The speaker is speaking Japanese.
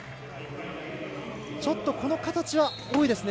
ちょっとこの形は多いですね。